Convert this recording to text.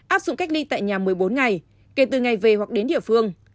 áp dụng cách ly tại nhà một mươi bốn ngày kể từ ngày về hoặc đến địa phương